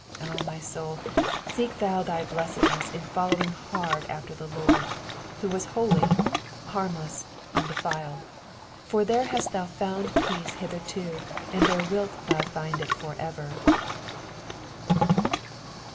O my soul, seek thou thy blessedness in following hard after thy Lord, who was holy, harmless, undefiled ; for there hast thou found peace hitherto, and there wilt thou find it for ever.